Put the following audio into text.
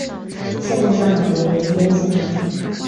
现任校长为源迪恩先生。